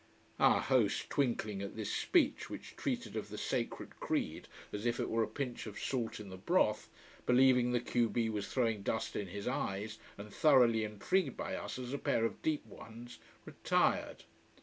Our host, twinkling at this speech which treated of the sacred creed as if it were a pinch of salt in the broth, believing the q b was throwing dust in his eyes, and thoroughly intrigued by us as a pair of deep ones, retired.